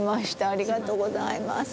ありがとうございます。